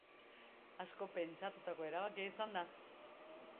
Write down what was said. Asko pentsatutako erabakia izan da.